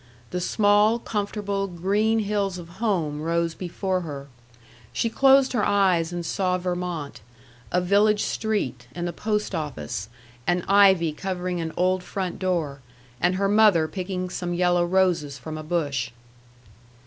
The small, comfortable, green hills of home rose before her. She closed her eyes and saw Vermont: a village street, and the post office, and ivy covering an old front door, and her mother picking some yellow roses from a bush.